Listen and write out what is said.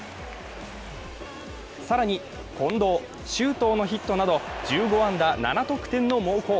更に、近藤、周東のヒットなど１５安打７得点の猛攻。